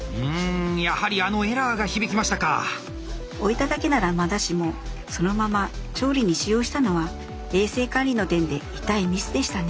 置いただけならまだしもそのまま調理に使用したのは衛生管理の点で痛いミスでしたね。